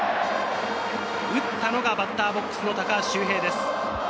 打ったのがバッターボックスの高橋周平です。